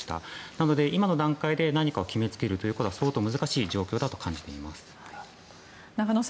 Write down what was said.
なので今の状況で何かを決めることは相当難しい状況だと感じてます。